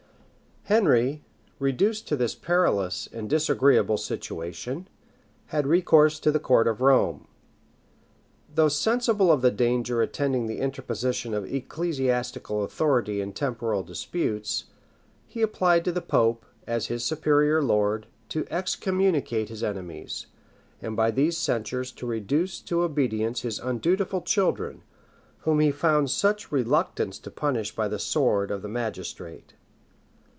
Henry, reduced to this perilous and disagreeable situation, had recourse to the court of Rome. Though sensible of the danger attending the interposition of ecclesiastical authority in temporal disputes, he applied to the pope, as his superior lord, to excommunicate his enemies, and by these censures to reduce to obedience his undutiful children, whom he found such reluctance to punish by the sword of the magistrate.